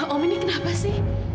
om ini kenapa sih